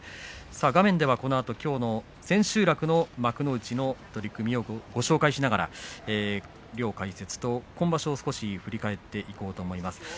画面ではこのあと幕内千秋楽の取組をご紹介しながら今場所を振り返っていこうと思います。